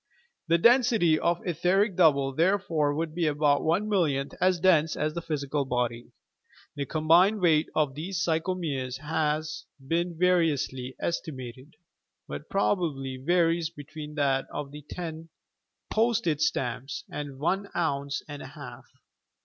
The density of the etheric double, therefore, would be about one millionth as dense as the physical body. The com bined weight of these psychomeres has been variously estimated, but probably varies between that of ten post age stamps and one ounce and a half.